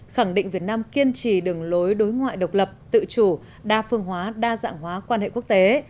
khẳng định việt nam kiên trì đường lối đối ngoại độc lập tự chủ đa phương hóa đa dạng hóa quan hệ quốc tế